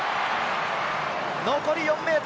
残り４ｍ！